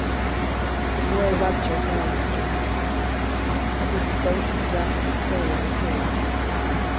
"The boy loved your girl, Mr. Matthews. It was as though he had left his soul in the hills.